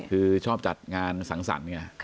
คือชอบจัดงานสั่งสั่น